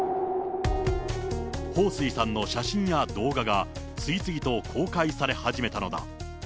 彭帥さんの写真や動画が次々と公開され始めたのだ。